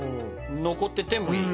残っててもいい？